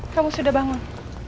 kamu sudah bangun